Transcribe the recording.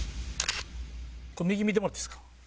右見てもらっていいですか？